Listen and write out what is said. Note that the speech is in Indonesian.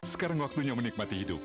sekarang waktunya menikmati hidup